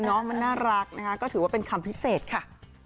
น้องมันน่ารักนะคะก็ถือว่าเป็นคำพิเศษค่ะ